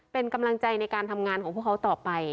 เป็นกำลังใจในการทำงานของพวกเขาต่อไป